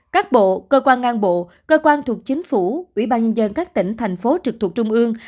các bộ cơ quan ngang bộ cơ quan thuộc chính phủ ủy ban nhân dân các tỉnh thành phố trực thuộc trung ương